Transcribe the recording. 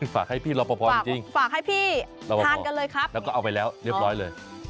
ฝากให้พี่รอปภจริงฝากให้พี่ทานกันเลยครับแล้วก็เอาไปแล้วเรียบร้อยเลย